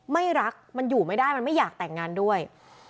ไม่รักมันอยู่ไม่ได้มันไม่อยากแต่งงานด้วย